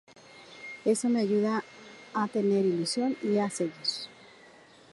Eso me ayuda a tener ilusión y seguir.